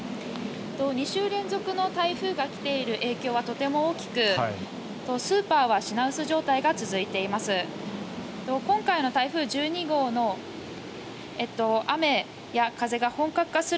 ２週連続の台風が来ている影響はとても大きくスーパーは品薄状態が続いています。